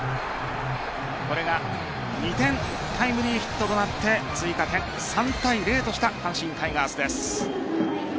これが２点タイムリーヒットとなって追加点３対０とした阪神タイガースです。